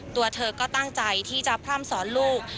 ตัวเธอก็ตั้งใจที่จะพร่ำสอนลูก